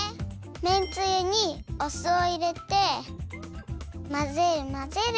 めんつゆにお酢をいれてまぜるまぜる。